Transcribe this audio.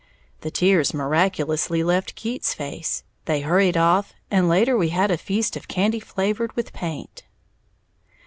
The tears miraculously left Keats's face, they hurried off, and later we had a feast of candy flavored with paint.